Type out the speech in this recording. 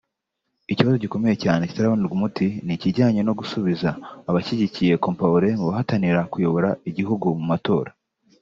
Ikibazo gikomeye cyane kitarabonerwa umuti ni ikijyanye no gusubiza abashyigikiye Compaoré mu bahatanira kuyobora igihugu mu matora